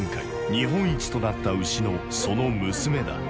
日本一となった牛のその娘だ。